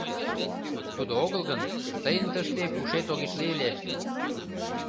Тудо огыл гын, тыйын тыште пушет огеш лий ыле!